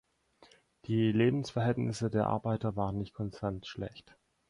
Die Lebensverhältnisse der Arbeiter waren nicht konstant schlecht.